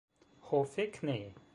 Ho, fek, ne!